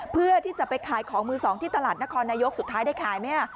เพื่อที่จะไปขายของมือสองที่ตลาดนครนายกสุดท้ายได้ขายไหม